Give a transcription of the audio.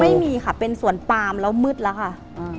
ไม่มีค่ะเป็นสวนปามแล้วมืดแล้วค่ะ